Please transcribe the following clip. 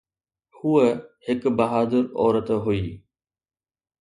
هوءَ هڪ بهادر عورت هئي.